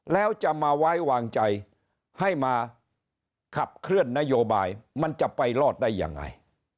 แล้วจะมาไว้วางใจให้มาขับเคลื่อนนโยบายมันจะไปรอดได้ยังไง